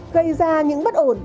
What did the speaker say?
gây ra những bất ổn